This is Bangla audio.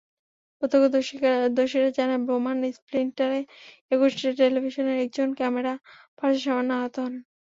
প্রত্যক্ষদর্শীরা জানায়, বোমার স্প্লিন্টারে একুশে টেলিভিশনের একজন ক্যামেরা পারসন সামান্য আহত হন।